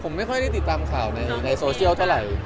ผมไม่ค่อยได้ติดตามข่าวในโซเชียลเท่าไหร่